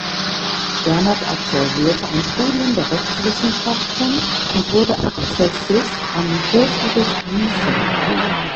Bernhard absolvierte ein Studium der Rechtswissenschaften und wurde Akzessist am Hofgericht Gießen.